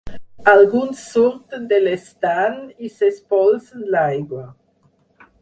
Alguns surten de l'estany i s'espolsen l'aigua.